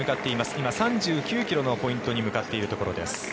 今、３９ｋｍのポイントに向かっているところです。